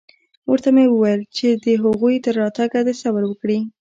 ورته مې وويل چې د هغوى تر راتگه دې صبر وکړي.